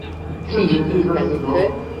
S anda akka id d at tteduḍ?